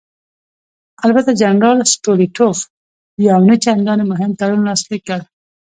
البته جنرال ستولیتوف یو نه چندانې مهم تړون لاسلیک کړ.